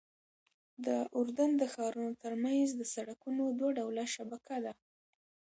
د اردن د ښارونو ترمنځ د سړکونو دوه ډوله شبکه ده.